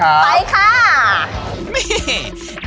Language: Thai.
เฮ้เฮ่เฮ่เฮ่